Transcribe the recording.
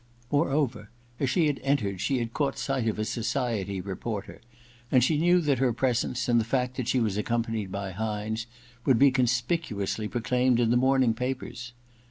Moreover, as she entered she had caught sight of a society re porter, and she knew that her presence, and the tact that she was accompanied by Hynes, would III iia EXPIATION y be conspicuously proclaimed in the morning papers.